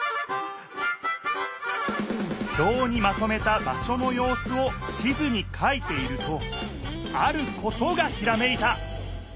ひょうにまとめた場所のようすを地図にかいているとあることがひらめいた！